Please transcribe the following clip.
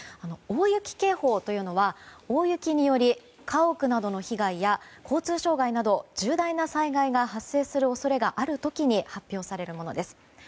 大雪警報というのは大雪により家屋などの被害や交通障害など重大な災害が発生する恐れがあるときに発表されるものです。